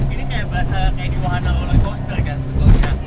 ini kayak berasa kayak di wahana rollercoaster kan sebetulnya